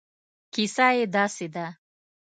کیسه یې داسې ده.